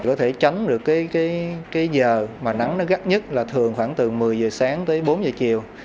có thể tránh được cái giờ mà nắng nó gắt nhất là thường khoảng từ một mươi giờ sáng tới bốn giờ chiều